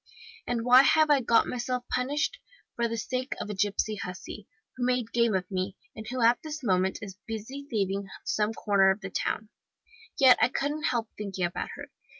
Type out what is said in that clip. And why have I got myself punished? For the sake of a gipsy hussy, who made game of me, and who at this moment is busy thieving in some corner of the town. Yet I couldn't help thinking about her.